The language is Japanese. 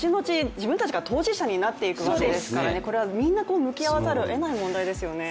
自分たちが当事者になっていくわけですから、これはみんな向き合わざるをえない問題ですよね。